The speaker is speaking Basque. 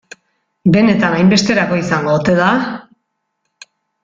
Benetan hainbesterako izango ote da?